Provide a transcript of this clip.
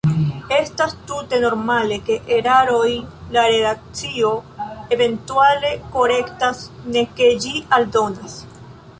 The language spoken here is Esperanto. Estas tute normale, ke erarojn la redakcio eventuale korektas, ne ke ĝi aldonas.